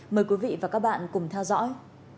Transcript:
mời quý vị và các bạn cùng theo dõi